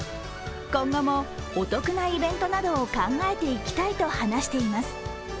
今後もお得なイベントなどを考えていきたいと話しています。